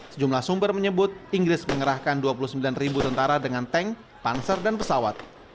sejumlah sumber menyebut inggris mengerahkan dua puluh sembilan ribu tentara dengan tank panser dan pesawat